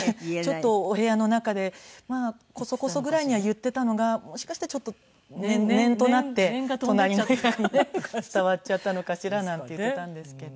ちょっとお部屋の中でまあコソコソぐらいには言っていたのがもしかしたらちょっと念となって隣の方にね伝わっちゃったのかしらなんて言っていたんですけど。